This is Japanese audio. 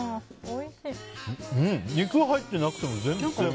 肉、入ってなくても全然。